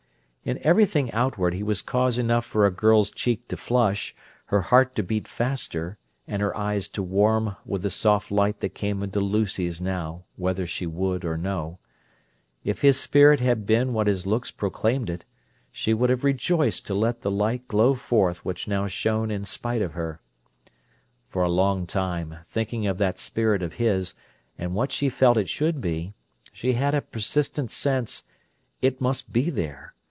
In everything outward he was cause enough for a girl's cheek to flush, her heart to beat faster, and her eyes to warm with the soft light that came into Lucy's now, whether she would or no. If his spirit had been what his looks proclaimed it, she would have rejoiced to let the light glow forth which now shone in spite of her. For a long time, thinking of that spirit of his, and what she felt it should be, she had a persistent sense: "It must be there!"